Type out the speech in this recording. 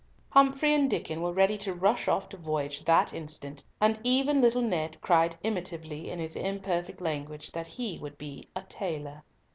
Humfrey and Diccon were ready to rush off to voyage that instant, and even little Ned cried imitatively in his imperfect language that he would be "a tailor."